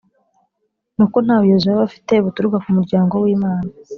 nuko nta buyobozi bari bafite buturuka ku muryango w Imana